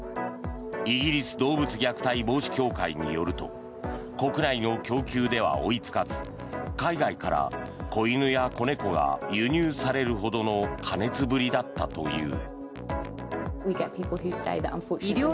イギリス動物虐待防止協会によると国内の供給では追いつかず海外から子犬や子猫が輸入されるほどの過熱ぶりだったという。